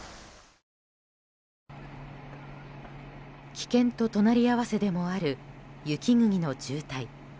危険と隣り合わせでもある雪国の渋滞。